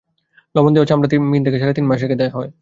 লবণ দেওয়া চামড়া তিন থেকে সাড়ে তিন মাস রেখে দেওয়া যায়।